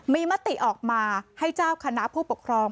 มีมติออกมาให้เจ้าคณะผู้ปกครอง